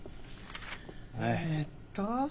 えーっと。